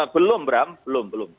belum bram belum belum